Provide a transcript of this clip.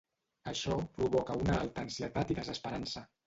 Això provoca una alta ansietat i desesperança.